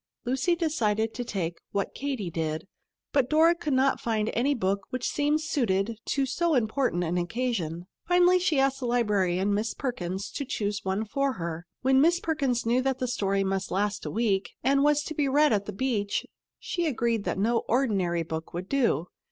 Lucy decided to take "What Katy Did," but Dora could not find any book which seemed suited to so important an occasion. Finally she asked the librarian, Miss Perkins, to choose one for her. When Miss Perkins knew that the story must last a week and was to be read at the beach, she agreed that no ordinary book would do.